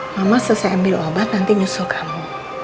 mama selesai ambil obat nanti nyusul kamu